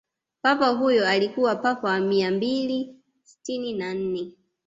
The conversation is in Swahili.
papa huyo alikuwa papa wa mia mbili sitini na nne